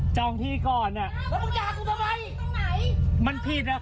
ได้สิก็น้องกูเอามันจะมา